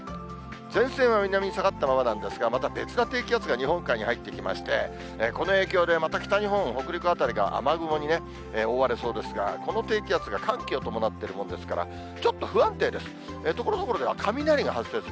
前線は南に下がったままなんですが、また別な低気圧が日本海に入ってきまして、この影響でまた北日本、北陸辺りから雨雲に覆われそうですが、この低気圧が寒気を伴っているもんですから、ちょっと不安定です。